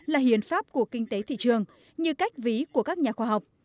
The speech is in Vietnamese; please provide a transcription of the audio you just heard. là hiến pháp của kinh tế thị trường như cách ví của các nhà khoa học